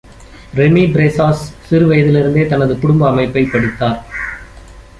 Remi Presas சிறு வயதிலிருந்தே தனது குடும்ப அமைப்பைப் படித்தார்.